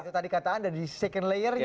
itu tadi kata anda di second layer nya